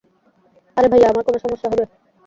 আরে ভাইয়া, আমার কেন সমস্যা হবে?